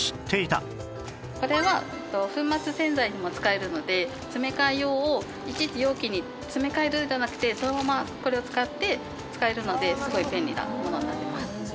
これは粉末洗剤にも使えるので詰め替え用をいちいち容器に詰め替えるんじゃなくてそのままこれを使って使えるのですごい便利なものになってます。